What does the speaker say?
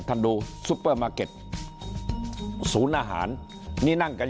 ดูซุปเปอร์มาร์เก็ตศูนย์อาหารนี่นั่งกัน